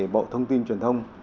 bộ thông tin truyền thông